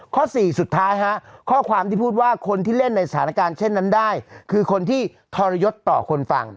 ข้อสี่สุดท้ายฮะข้อความที่พูดว่าคนที่เล่นในสถานการณ์เช่นนั้นได้คือคนที่ทรยศต่อคนฟัง